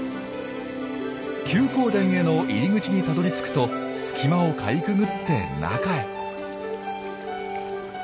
休耕田への入り口にたどりつくと隙間をかいくぐって中へ。